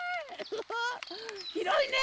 ひろいね！